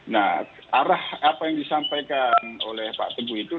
nah arah apa yang disampaikan oleh pak teguh itu